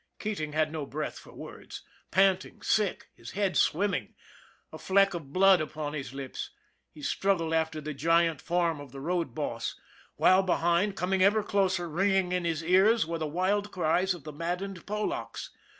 Keating had no breath for words. Panting, sick, his head swimming, a fleck of blood upon his lips, he struggled after the giant form of the road boss; while, behind, coming ever closer, ringing in his ears, were the wild cries of the maddened Polacks.